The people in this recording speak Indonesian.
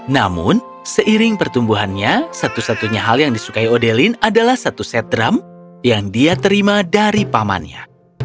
namun seiring pertumbuhannya satu satunya hal yang disukai odelin adalah satu set drum yang dia terima dari pamannya